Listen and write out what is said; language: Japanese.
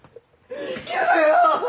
けどよお！